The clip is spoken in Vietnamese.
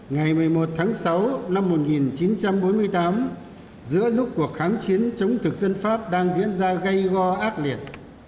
ngày một mươi một tháng sáu năm một nghìn chín trăm bốn mươi tám giữa lúc cuộc kháng chiến chống thực dân pháp đang diễn ra gây go ác liệt